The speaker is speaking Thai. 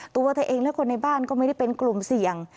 ตัวเธอเองและคนในบ้านก็ไม่ได้เป็นกลุ่มเสี่ยง